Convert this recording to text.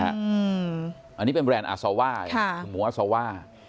อันนี้เป็นแบรนด์อาซาว่าคือหมูอาซาว่า